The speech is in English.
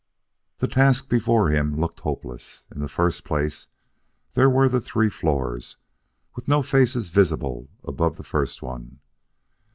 The task before him looked hopeless. In the first place there were the three floors, with no faces visible above the first one.